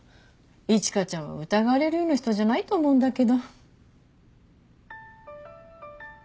一花ちゃんは疑われるような人じゃないと思うんだけど。